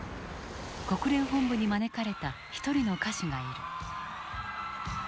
国連本部に招かれた一人の歌手がいる。